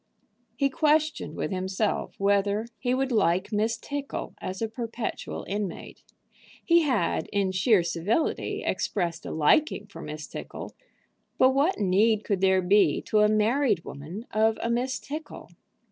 He questioned with himself whether he would like Miss Tickle as a perpetual inmate. He had, in sheer civility, expressed a liking for Miss Tickle, but what need could there be to a married woman of a Miss Tickle?